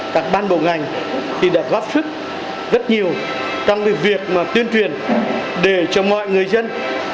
các ban bộ ngành thì đã góp sức rất nhiều trong việc tuyên truyền để cho mọi người dân